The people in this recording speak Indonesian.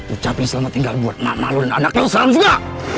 ucapin selamat tinggal buat mama lu dan anak lu seram juga